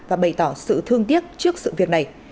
và bày tỏ sự thương tiếc trước sự việc này